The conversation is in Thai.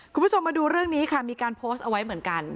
คุณผู้ชมมาดูเรื่องนี้ค่ะมีการโพสต์เอาไว้เหมือนกัน